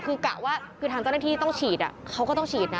คือกะว่าคือทางเจ้าหน้าที่ต้องฉีดเขาก็ต้องฉีดนะ